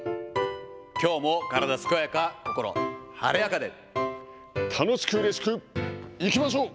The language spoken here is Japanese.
きょうも体健やか、心晴れや楽しく、うれしく、いきましょう。